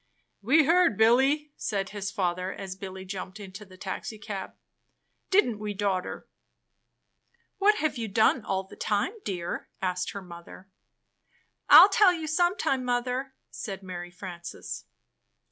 "We heard, Billy," said his father, as Billy jumped into the taxicab, "didn't we, daughter?" "What have you done all the time, dear?" asked her mother. "I'll tell you some time. Mother," said Mary n^^. Frances.